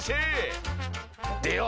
では。